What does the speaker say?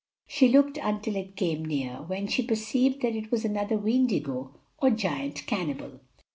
She looked until it came near, when she perceived that it was another Weendigo, or Giant Cannibal.